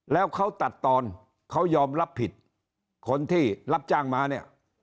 แล้วเขาตัดตอนเขายอมรับผิดคนที่รับจ้างมาเนี่ย